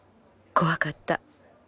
「怖かった。